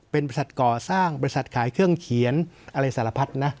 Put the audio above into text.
เป็นบริษัทก่อสร้างบริษัทขายเครื่องเขียนอะไรสารพัดนะ